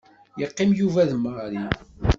Yeqqim Yuba d Mary.